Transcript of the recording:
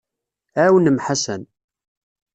Ɛawnem Ḥasan.